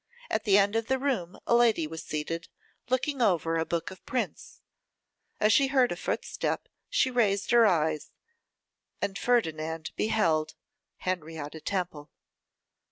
At the end of the room a lady was seated, looking over a book of prints; as she heard a footstep she raised her eyes, and Ferdinand beheld Henrietta Temple.